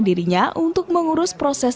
dirinya untuk mengurus proses